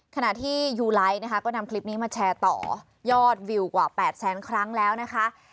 ขณะที่ยูไลท์นะคะก็นำคลิปนี้มาแชร์ต่อยอดวิวกว่า๘แสนครั้งแล้วนะคะ